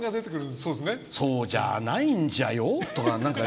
「そうじゃないんじゃよ」とか。